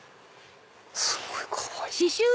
すごいかわいい！